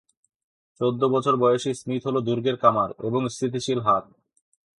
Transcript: চৌদ্দ বছর বয়সী স্মিথ হল দুর্গের কামার এবং স্থিতিশীল হাত।